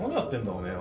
おめえは。